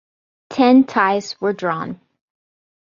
Ten ties were drawn.